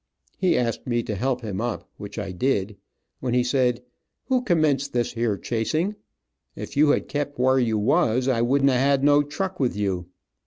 He asked me to help him up, which I did, when he said, "Who commenced this here chasing? If you had kept whar you was, I wouldn't a had no truck with you."